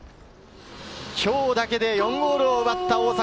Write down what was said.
今日だけで４ゴールを奪った大迫。